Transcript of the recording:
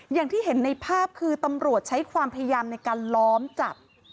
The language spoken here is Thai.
อย่างที่เห็นในภาพคือตำรวจใช้ความพยายามในการล้อมจับ